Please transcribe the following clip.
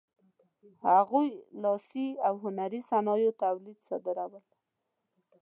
هغوی لاسي او هنري صنایعو تولیدات صادرول.